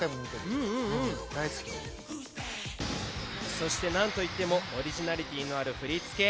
そして何と言ってもオリジナリティーのある振り付け。